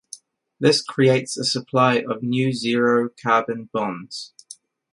This creates a supply of new zero coupon bonds.